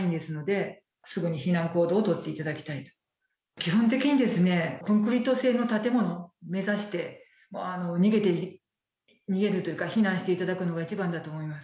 基本的にコンクリート製の建物を目指して、逃げるというか避難していただくのが一番だと思います。